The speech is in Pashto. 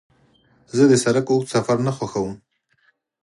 زه د سړک اوږد سفر نه خوښوم.